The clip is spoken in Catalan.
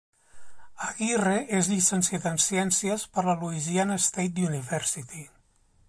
Aguirre és llicenciat en Ciències per la Louisiana State University.